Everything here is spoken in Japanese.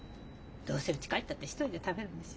どうせうち帰ったって一人で食べるんでしょ？